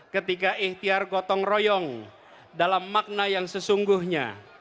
ketika ikhtiar gotong royong dalam makna yang sesungguhnya